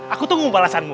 aku tunggu balasanmu